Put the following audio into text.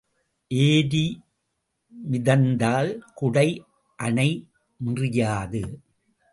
ஏரி மிதந்தால் குடை அணை மிறியாது.